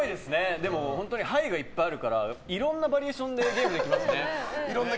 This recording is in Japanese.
でも牌がいっぱいあるからいろんなバリエーションでゲームできますね。